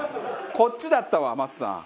こっちだったわ松さん。